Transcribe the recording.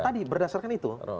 tadi berdasarkan itu